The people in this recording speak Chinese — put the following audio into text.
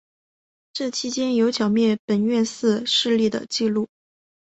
这期间有剿灭本愿寺势力的纪录。